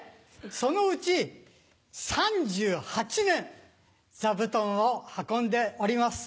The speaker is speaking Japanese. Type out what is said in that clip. そのうち３８年座布団を運んでおります。